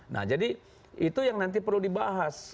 nah jadi itu yang nanti perlu dibahas